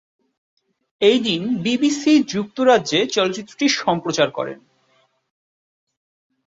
এই দিন বিবিসি যুক্তরাজ্যে চলচ্চিত্রটি সম্প্রচার করে।